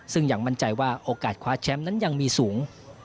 ซึ่งยังมั่นใจว่าโอกาสคว้าแชมป์นั้นยังมีสูง